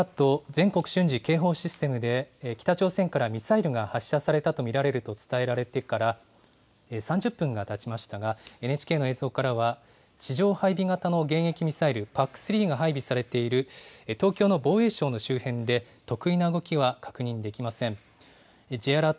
・全国瞬時警報システムで、北朝鮮からミサイルが発射されたと見られると伝えられてから３０分がたちましたが、ＮＨＫの映像からは、地上配備型の迎撃ミサイル、ＰＡＣ３が配備されている東京の防衛省の周辺で、特異な動きは確認できません。